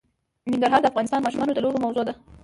ننګرهار د افغان ماشومانو د لوبو موضوع ده.